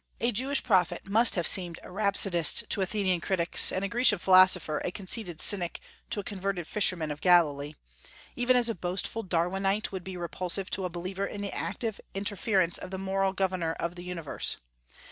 A Jewish prophet must have seemed a rhapsodist to Athenian critics, and a Grecian philosopher a conceited cynic to a converted fisherman of Galilee, even as a boastful Darwinite would be repulsive to a believer in the active interference of the moral Governor of the universe.